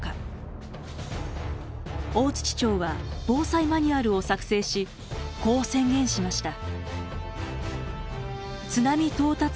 大町は防災マニュアルを作成しこう宣言しました。